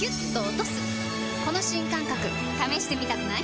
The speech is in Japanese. この新感覚試してみたくない？